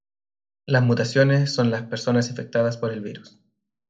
Las mutaciones, son las personas infectadas por el virus.